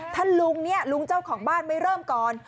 ถ้าลุงเนี่ยลุงเจ้าของบ้านไม่เริ่มก่อน